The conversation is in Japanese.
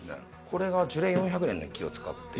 これは樹齢４００年の木を使って。